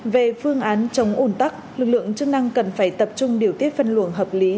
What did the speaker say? về phương án chống ủn tắc lực lượng chức năng cần phải tập trung điều tiết phân luồng hợp lý